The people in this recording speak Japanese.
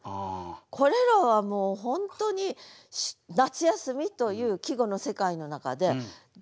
これらはもう本当に「夏休」という季語の世界の中で誰もが思う。